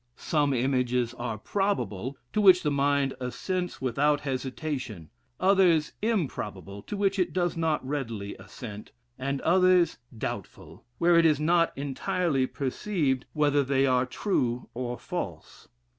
Some images are probable, to which the mind assents without hesitation; others improbable, to which it does not readily assent; and others doubtful, where it is not entirely perceived, whether they are true or false.